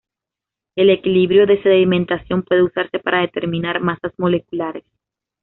El equilibrio de sedimentación puede usarse para determinar masas moleculares.